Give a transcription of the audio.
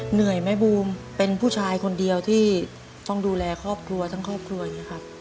เหนื่อยไหมบูมเป็นผู้ชายคนเดียวที่ต้องดูแลครอบครัวทั้งครอบครัวอย่างนี้ครับ